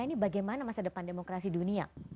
ini bagaimana masa depan demokrasi dunia